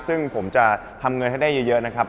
ซึ่งผมจะทำเงินให้ได้เยอะนะครับ